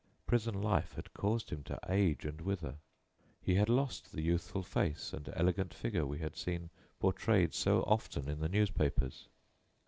Prison life had caused him to age and wither. He had lost the youthful face and elegant figure we had seen portrayed so often in the newspapers.